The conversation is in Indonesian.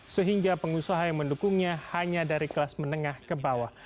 sehingga pengusaha yang mendukungnya hanya dari kelas menengah ke bawah